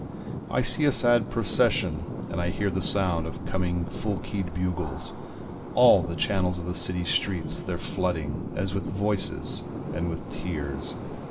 I see a sad procession, And I hear the sound of coming full keyâd bugles, All the channels of the city streets theyâre flooding, As with voices and with tears.